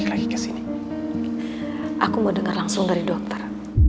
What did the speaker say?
aku mendengar langsung dari dokter